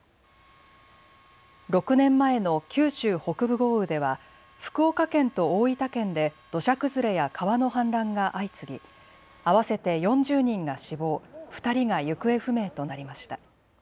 ６年前の九州北部豪雨では福岡県と大分県で土砂崩れや川の氾濫が相次ぎ合わせて４０人が死亡、２人が行方不明となりました。